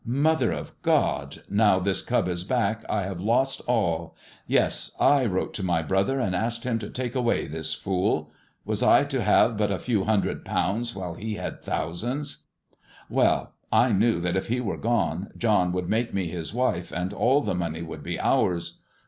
" Mother of God I now this cab is li I bare lost alL Yes, I wrote to my brother, and ai him to take away this fooL Was X to Lave but k] hundred pounds while ha had thoosands I Well, I k that if he were gone, John would make me his wlfe^li all the moner would he ours.